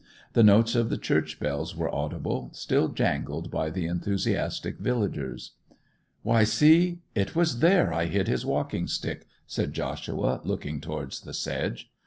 The notes of the church bells were audible, still jangled by the enthusiastic villagers. 'Why see—it was there I hid his walking stick!' said Joshua, looking towards the sedge.